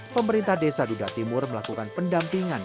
pemerintah desa duda timur melakukan pendampingan